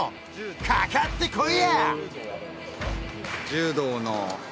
かかってこいや！